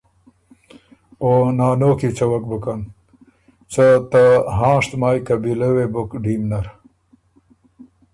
او نانو کی څوَک بُکن، څه ته هانشت مایٛ قبیلۀ وې بُک ډیم نر۔